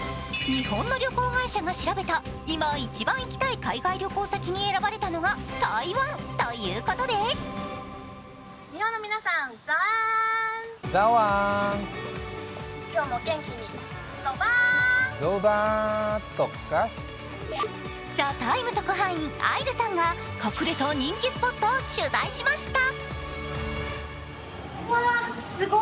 日本の旅行会社が調べた今、一番行きたい海外旅行先に選ばれたのが台湾ということで「ＴＨＥＴＩＭＥ，」特派員、あいるさんが隠れた人気スポットを取材しました。